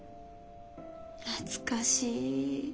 懐かしい。